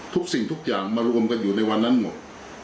สิ่งทุกอย่างมารวมกันอยู่ในวันนั้นหมด